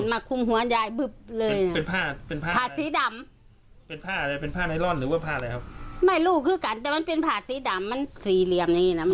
มาคุ้มหัวยายเลยผ่าสีดำ